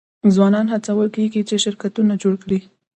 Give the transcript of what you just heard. ځوانان هڅول کیږي چې شرکتونه جوړ کړي.